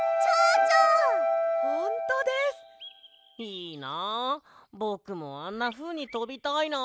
いいなぼくもあんなふうにとびたいな。